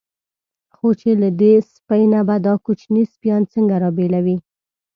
خو چې له دې سپۍ نه به دا کوچني سپیان څنګه را بېلوي.